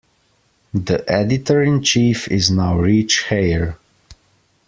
The editor in chief is now Rich Haier.